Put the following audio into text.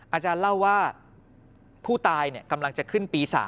อาจารย์เล่าว่าผู้ตายกำลังจะขึ้นปี๓